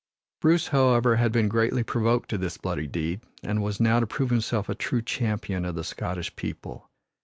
Bruce, however, had been greatly provoked to this bloody deed, and was now to prove himself a true champion of the Scottish people.